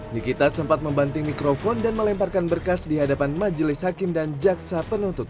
nikita sempat membanting mikrofon dan melemparkan berkas di hadapan majelis hakim dan jaksa penuntut